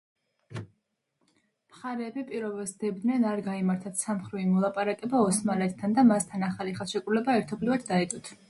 მხარეები პირობას დებდნენ არ გაემართათ ცალმხრივი მოლაპარაკება ოსმალეთთან და მასთან ახალი ხელშეკრულება ერთობლივად დაედოთ.